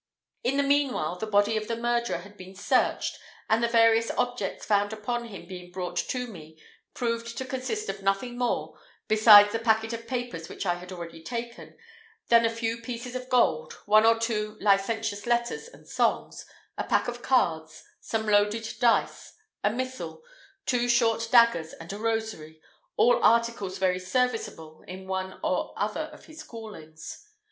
In the meanwhile, the body of the murderer had been searched, and the various objects found upon him being brought to me, proved to consist of nothing more, besides the packet of papers which I had already taken, than a few pieces of gold, one or two licentious letters and songs, a pack of cards, some loaded dice, a missal, two short daggers, and a rosary, all articles very serviceable in one or other of his callings.